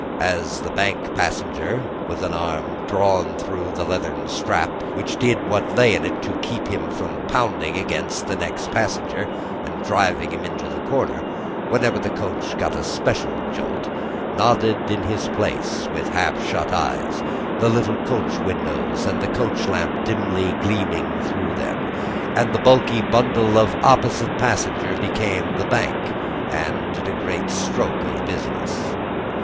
As the bank passenger with an arm drawn through the leathern strap, which did what lay in it to keep him from pounding against the next passenger, and driving him into his corner, whenever the coach got a special jolt nodded in his place, with half shut eyes, the little coach windows, and the coach lamp dimly gleaming through them, and the bulky bundle of opposite passenger, became the bank, and did a great stroke of business.